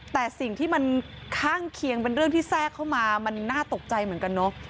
แต่สิ่งที่มันข้างเคียงเป็นเรื่องที่แทรกเข้ามามันน่าตกใจเหมือนกันเนอะ